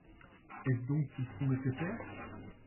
Est-ce donc qu’ils sont nécessaires